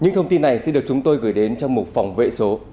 những thông tin này xin được chúng tôi gửi đến trong một phòng vệ số